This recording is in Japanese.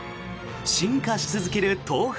進化し続ける豆腐。